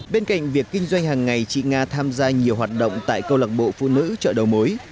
bên cạnh việc kinh doanh hàng ngày chị nga tham gia nhiều hoạt động tại câu lạc bộ phụ nữ chợ đầu mối